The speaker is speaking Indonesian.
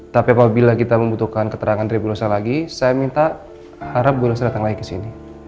tapi apabila kita membutuhkan keterangan dari bu elsa lagi saya minta harap bu elsa datang lagi ke sini